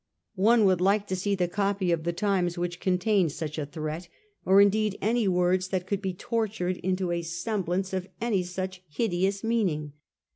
One would like to see the copy of the Times which contained such a threat, or indeed any words that could be tortured into a semblance of any such hideous meaning.